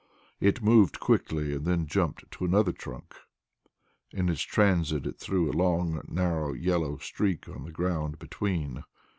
It moved quickly, and then jumped to another trunk; in its transit it threw a long, narrow yellow streak on the ground between.